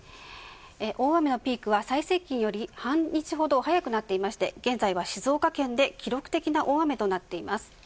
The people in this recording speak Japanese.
大雨のピークは最盛期より半日ほど早くなっていいまして現在は静岡県で記録的な大雨となっています。